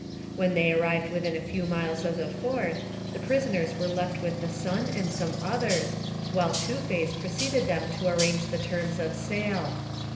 When they arrived within a few miles of the fort, the prisoners were left with the son and some others, while Two Face preceded them to arrange the terms of sale.